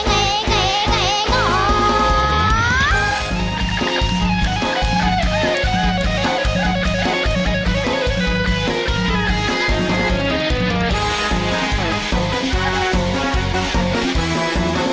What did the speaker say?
เพื่อนหญิงร้องบ้าข้า